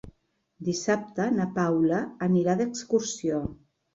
Dissabte na Paula anirà d'excursió.